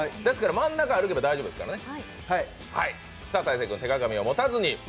真ん中を歩けば大丈夫ですからね。